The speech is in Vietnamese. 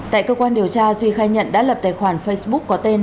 tại cơ quan điều tra duy khai nhận đã lập tài khoản facebook có tên